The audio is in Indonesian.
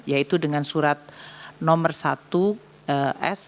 yaitu dengan surat nomor satu s